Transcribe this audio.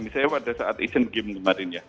misalnya pada saat asian games kemarin ya